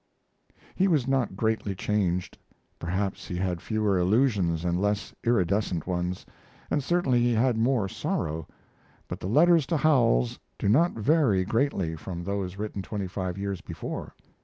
He was not greatly changed. Perhaps he had fewer illusions and less iridescent ones, and certainly he had more sorrow; but the letters to Howells do not vary greatly from those written twenty five years before.